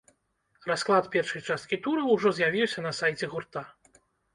Расклад першай часткі тура ўжо з'явіўся на сайце гурта.